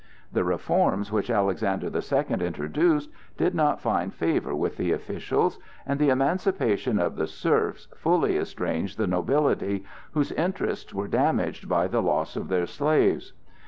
The reforms which Alexander the Second introduced did not find favor with the officials, and the emancipation of the serfs fully estranged the nobility, whose interests were damaged by the loss of their slaves.